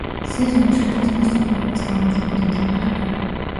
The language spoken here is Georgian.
სეზონი სკოლის მოსწავლეების გამარჯვებით მთავრდება.